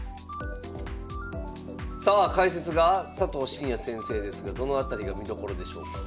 さあ解説が佐藤紳哉先生ですがどの辺りが見どころでしょうか？